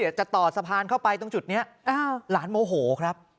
จะต่อสะพานเข้าไปตรงจุดนี้หลานโมโหครับ